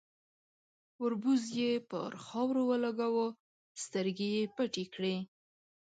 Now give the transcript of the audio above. ، وربوز يې پر خاورو ولګاوه، سترګې يې پټې کړې.